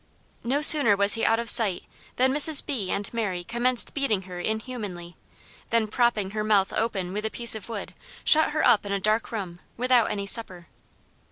No sooner was he out of sight than Mrs. B. and Mary commenced beating her inhumanly; then propping her mouth open with a piece of wood, shut her up in a dark room, without any supper.